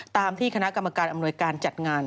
ตามที่คณะกรรมการอำนวยการจัดงาน